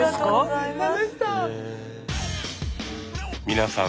皆さん